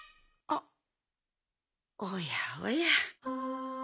あっおやおや。